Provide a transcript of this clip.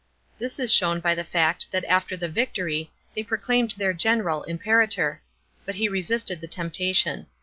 This is shown by the fact that after the victory they proclaimed their general Impcrator. But he resisted the temptation.